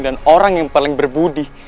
dan orang yang paling berbudi